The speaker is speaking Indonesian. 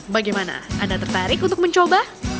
bagaimana anda tertarik untuk mencoba